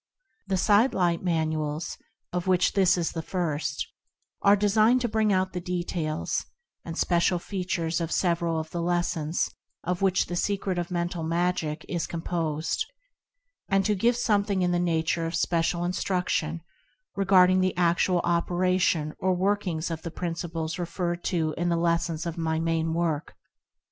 The "Side Light Manuals" of which this is the first, are designed to bring out the details, and special features of several of the "lessons" of which "The Secret of Mental Magic" is composed; and to give something in the nature of Special Instruction regarding the actual operation or workings of the principles referred to in the lessons of my main work.